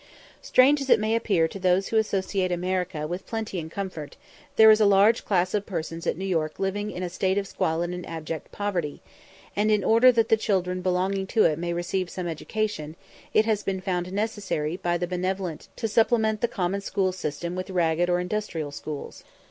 Strange as it may appear to those who associate America with plenty and comfort, there is a very large class of persons at New York living in a state of squalid and abject poverty; and in order that the children belonging to it may receive some education, it has been found necessary by the benevolent to supplement the common school system with ragged or industrial schools.